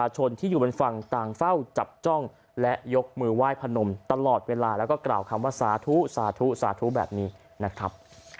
จับจ้องและยกมือไหว้พนมตลอดเวลาแล้วก็กล่าวคำว่าสาธุสาธุสาธุแบบนี้นะครับ